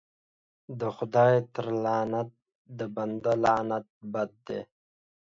د خداى تر لعنت د بنده لعنت بد دى.